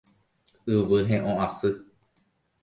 Yvy he'õ asy